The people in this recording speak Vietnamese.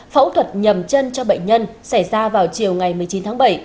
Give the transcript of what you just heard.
phẫu thuật nhầm chân cho bệnh nhân xảy ra vào chiều ngày một mươi chín tháng bảy